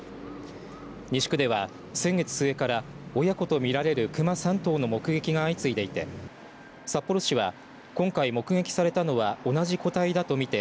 西区では先月末から親子と見られる熊３頭の目撃が相次いでいて札幌市は今回目撃されたのは同じ個体だと見て